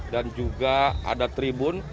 dan juga ada tribun